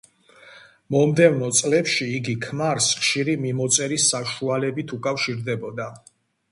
მომდევნო წლებში იგი ქმარს ხშირი მიმოწერის საშუალებით უკავშირდებოდა.